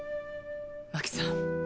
真紀さん